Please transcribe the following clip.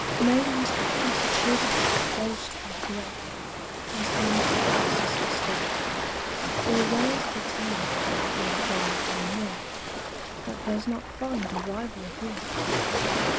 Mayn't Massachusetts boast as great As any other sister state? Or where's the town, go far or near, That does not find a rival here?